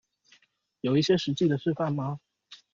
有一些實際的示範嗎